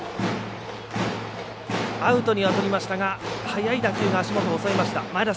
アウトにはなりましたが速い打球が足元を襲いました。